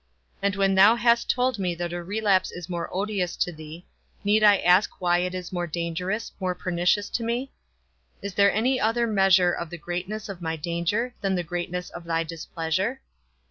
And when thou hast told me that a relapse is more odious to thee, need I ask why it is more dangerous, more pernicious to me? Is there any other measure of the greatness of my danger, than the greatness of thy displeasure?